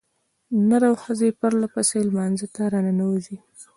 نرو ښځې پرلپسې لمانځه ته راننوځي.